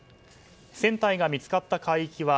船体が見つかった海域は